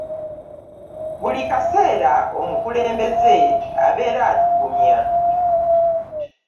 Buli kaseera omukulembeze abeera atugumya.